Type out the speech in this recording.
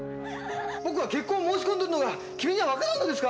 僕は結婚を申し込んどるのが君には分からんのですか！？